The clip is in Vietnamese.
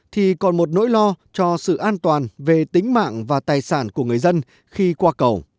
thì còn một nỗi lo cho sự an toàn về tính mạng và tài sản của người dân khi qua cầu